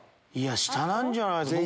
下なんじゃない？